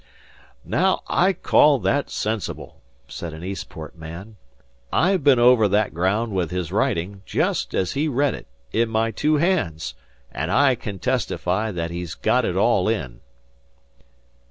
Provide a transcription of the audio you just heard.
"Naow, I call that sensible," said the Eastport man. "I've bin over that graound with his writin', jest as he read it, in my two hands, and I can testify that he's got it all in."